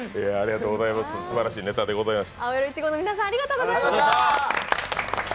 すばらしいネタでございました。